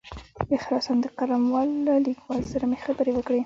د خراسان د قلموال له لیکوال سره مې خبرې وکړې.